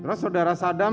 terus saudara sadam